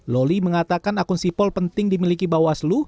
loli mengatakan akun sipol penting dimiliki bawaslu